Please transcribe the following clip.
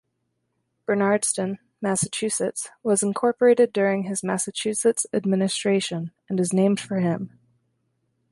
Bernardston, Massachusetts was incorporated during his Massachusetts administration and is named for him.